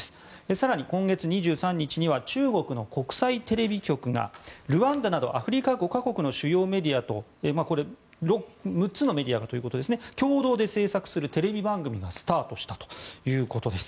更に、今月２３日には中国の国際テレビ局がルワンダなどアフリカ５か国の主要メディアと６つのメディアがということで共同で制作するテレビ番組がスタートしたということです。